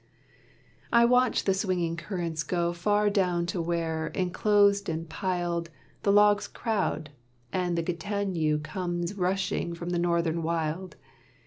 I watch the swinging currents go Far down to where, enclosed and piled, The logs crowd, and the Gatineau Comes rushing from the northern wild.